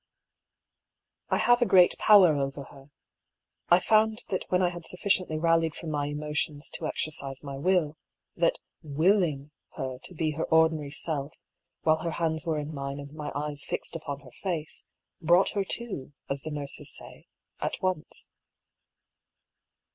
I have a great power over her. I found that when I had sufficiently rallied from my emotions to ex ercise my will, that witting her to be her ordinary self 266 I>^ PAULL'S THEORY. (while her hands were in mine and my eyes fixed upon her face) '' broaght her to," as the nurses say, at once.